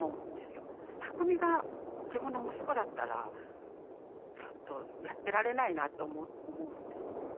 巧が自分の息子だったらちょっとやってられないなと思うんです。